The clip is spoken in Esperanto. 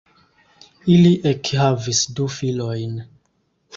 Ili ekhavis du filojn.